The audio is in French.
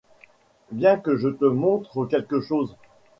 Viens, que je te montre quelque chose